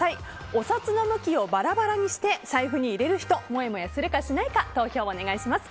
お札の向きをバラバラにして財布に入れる人もやもやするか、しないか投票をお願いします。